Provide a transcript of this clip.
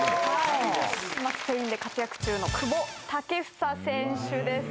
今スペインで活躍中の久保建英選手です。